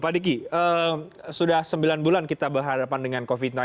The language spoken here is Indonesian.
pak diki sudah sembilan bulan kita berhadapan dengan covid sembilan belas